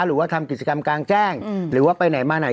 หรือว่าทำกิจกรรมกลางแจ้งหรือว่าไปไหนมาไหน